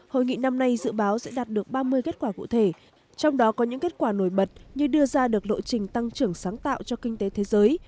hội nghị năm nay dự báo sẽ đạt được ba mươi kết quả cụ thể trong đó có những kết quả nổi bật như đưa ra được lộ trình tăng trưởng sáng tạo cho kinh tế thế giới